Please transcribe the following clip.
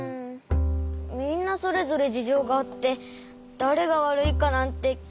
みんなそれぞれじじょうがあってだれがわるいかなんてきめらんない！